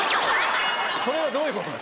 それはどういうこと？